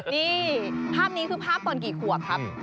นี่ภาพนี้คือภาพตอนกี่ขวบครับ